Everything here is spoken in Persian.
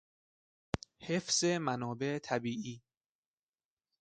حفظ منابع طبیعی